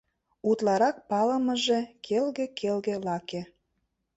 Утларак палымыже — келге-келге лаке.